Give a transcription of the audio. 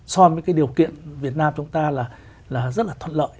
so với cái điều kiện việt nam chúng ta là rất là thuận lợi